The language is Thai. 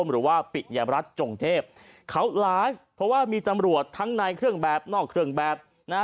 หรือว่าปิยรัฐจงเทพเขาไลฟ์เพราะว่ามีตำรวจทั้งในเครื่องแบบนอกเครื่องแบบนะฮะ